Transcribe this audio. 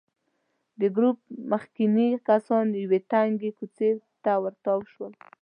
د ګروپ مخکېني کسان یوې تنګې کوڅې ته تاو شول.